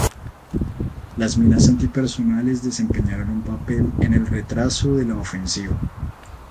Las Minas antipersonales desempeñaron un papel en el retraso de la ofensiva.